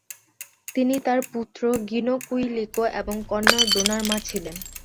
তিনি তার পুত্র গিনো কুইলিকো এবং কন্যা ডোনার মা ছিলেন।